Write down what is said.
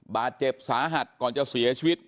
บาดเจ็บสาหัสก่อนจะเสียชีวิต